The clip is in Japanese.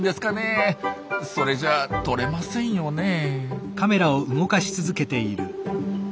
それじゃあ撮れませんよねえ。